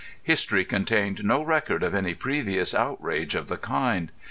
History contained no record of any previous outrage of the kind.